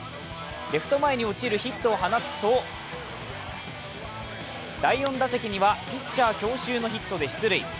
レフト前に落ちるヒットを放つと第４打席にはピッチャー強襲のヒットで出塁。